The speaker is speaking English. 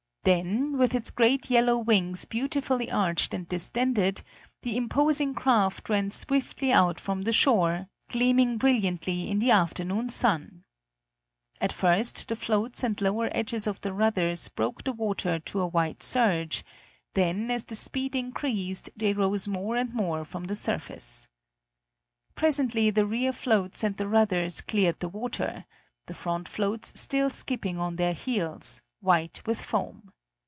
Then with its great yellow wings beautifully arched and distended, the imposing craft ran swiftly out from the shore, gleaming brilliantly in the afternoon sun. At first the floats and lower edges of the rudders broke the water to a white surge, then as the speed increased they rose more and more from the surface. Presently the rear floats and the rudders cleared the water, the front floats still skipping on their heels, white with foam.